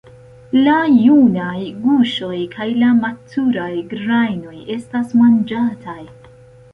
La junaj guŝoj kaj la maturaj grajnoj estas manĝataj.